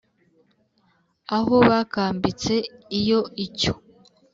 aho bakambitse Iyo icyo